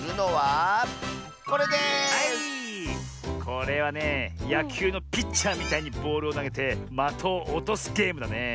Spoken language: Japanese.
これはねやきゅうのピッチャーみたいにボールをなげてまとをおとすゲームだねえ。